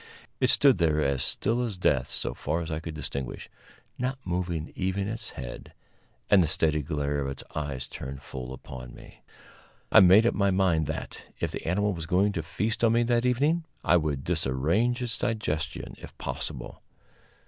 It stood there as still as death, so far as I could distinguish, not moving even its head, and the steady glare of its eyes turned full upon me. I made up my mind that, if the animal was going to feast on me that evening, I would disarrange its digestion, if possible.